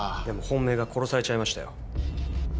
でも本命が殺されちゃいましたよ。